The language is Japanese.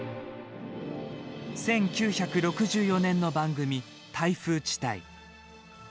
１９６４年の番組「台風地帯」。